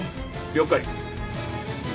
了解。